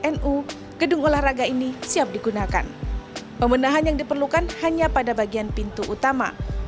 nu gedung olahraga ini siap digunakan pemenahan yang diperlukan hanya pada bagian pintu utama